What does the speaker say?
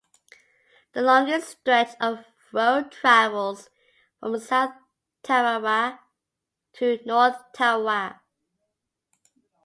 The longest stretch of road travels from South Tarawa to North Tarawa.